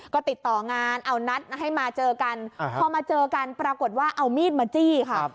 ก็ติดต่องานเอานัดให้มาเจอกันพอมาเจอกันปรากฏว่าเอามีดมาจี้ค่ะ